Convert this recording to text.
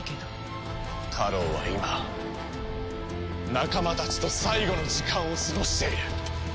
タロウは今仲間たちと最後の時間を過ごしている。